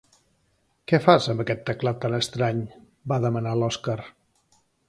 Què fas amb aquest teclat tan estrany? —va demanar l'Oskar.